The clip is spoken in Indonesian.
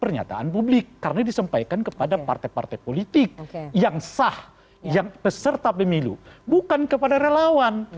pernyataan publik karena disampaikan kepada partai partai politik yang sah yang peserta pemilu bukan kepada relawan